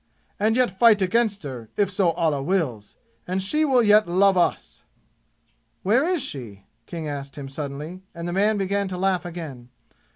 and yet fight against her, if so Allah wills and she will yet love us!" "Where is she?" King asked him suddenly, and the man began to laugh again.